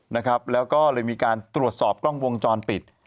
นะครับแล้วก็เลยมีการตรวจสอบกล้องวงจรปิด